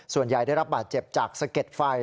ส่วนใหญ่ได้รับบาดเจ็บจากสะเก็ดไฟ